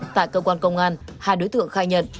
tại cơ quan công an hai đối tượng khai nhận